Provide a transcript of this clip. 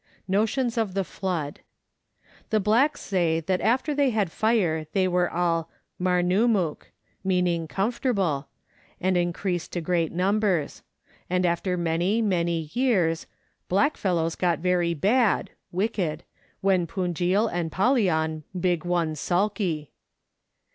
Notions of the Flood. The blacks say that after they had fire they were all marnumuk (meaning comfortable), and increased to great numbers ; and after many, many years " blackf ellows get very bad (wicked), when Punjil and Pallian big one sulky."